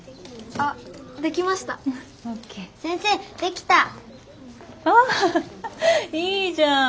ああいいじゃん。